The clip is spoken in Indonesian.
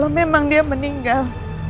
kalau memang dia meninggal